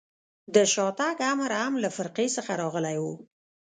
د شاتګ امر هم له فرقې څخه راغلی و.